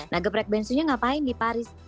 nah geprek bensunya ngapain di paris